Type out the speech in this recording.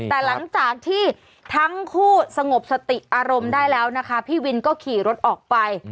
แต่หลังจากที่ทั้งคู่สงบสติอารมณ์ได้แล้วนะคะพี่วินก็ขี่รถออกไป